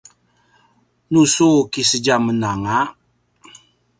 nu su kisedjamen anga